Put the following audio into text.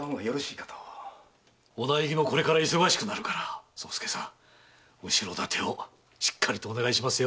お内儀もこれから忙しくなるから後ろ盾をしっかりお願いします。